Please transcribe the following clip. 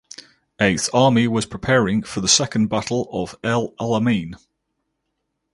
Eighth Army was preparing for the Second Battle of El Alamein.